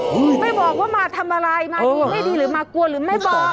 ไม่บอกว่ามาทำอะไรมาดีไม่ดีหรือมากลัวหรือไม่บอก